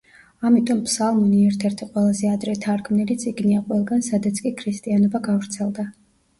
ამიტომ ფსალმუნი ერთ-ერთი ყველაზე ადრე თარგმნილი წიგნია ყველგან, სადაც კი ქრისტიანობა გავრცელდა.